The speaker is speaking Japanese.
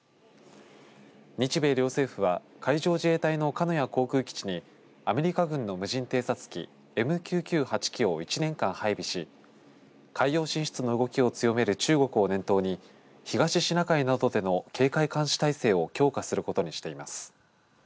日米両政府は海上自衛隊の鹿屋航空基地にアメリカ軍の無人偵察機ＭＱ９、８機を１年間配備し海洋進出の動きを強める中国を念頭に東シナ海などでの警戒監視体制を強化することにしています。